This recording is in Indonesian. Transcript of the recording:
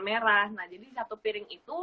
merah nah jadi satu piring itu